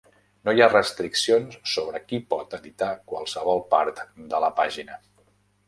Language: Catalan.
No hi ha restriccions sobre qui pot editar qualsevol part de la pàgina.